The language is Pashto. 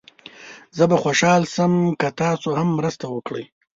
زه به خوشحال شم که تاسو هم مرسته وکړئ.